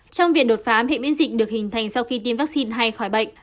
trong việc đột phá hệ miễn dịch được hình thành sau khi tiêm vaccine hay khỏi bệnh